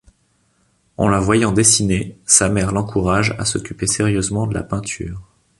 En la voyant dessiner, sa mère l’encourage à s’occuper sérieusement de la peinture.